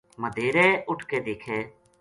مدہیرے اٹھ کے دیکھے